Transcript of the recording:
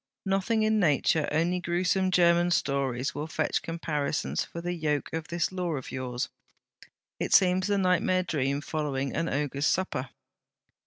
Nothing in nature, only gruesome German stories will fetch comparisons for the yoke of this Law of yours. It seems the nightmare dream following an ogre's supper.'